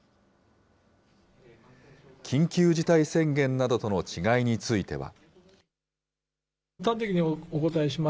緊急事態宣言などとの違いについては。